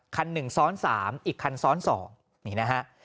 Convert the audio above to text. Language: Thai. คัน๑ซ้อน๓อีกคันซ้อน๒นี่นะฮะ